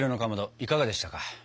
いかがでしたか？